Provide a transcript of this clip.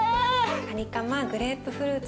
カニカマグレープフルーツ